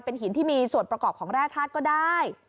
เป็นหินที่มีส่วนประกอบของแร่ธาตุก็ได้